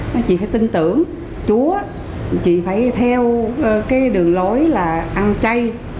nó chị phải tin tưởng chúa chị phải theo cái đường lối là ăn chay